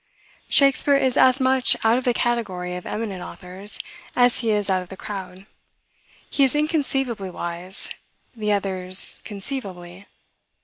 Shakspeare is as much out of the category of eminent authors, as he is out of the crowd. He is inconceivably wise; the others, conceivably.